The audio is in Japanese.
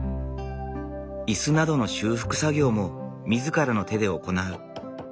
椅子などの修復作業も自らの手で行う。